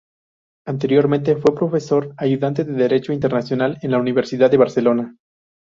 Anteriormente fue profesor ayudante de derecho Internacional en la Universidad de Barcelona.